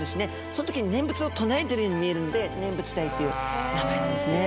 そのときに念仏を唱えてるように見えるので「ネンブツダイ」という名前なんですね。